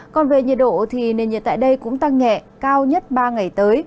còn về nhiệt độ thì nền nhiệt tại đây cũng tăng nhẹ cao nhất ba ngày tới